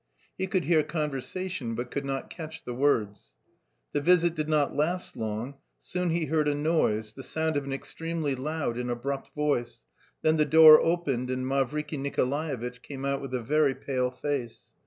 He could hear conversation but could not catch the words. The visit did not last long; soon he heard a noise, the sound of an extremely loud and abrupt voice, then the door opened and Mavriky Nikolaevitch came out with a very pale face.